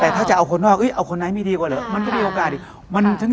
ตอนนี้คิดว่ามีพักไหนบ้าง